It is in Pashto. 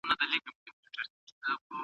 ځینې دا مصرف خطرناک بولي.